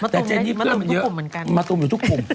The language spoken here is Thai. แต่เจนี่เพื่อนมันเยอะมะตูมอยู่ทุกกลุ่ม